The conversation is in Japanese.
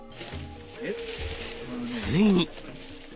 ついに。